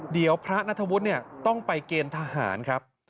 เดี๋ยวพระนัทวุฒิต้องไปเกณฑ์ทหารครับ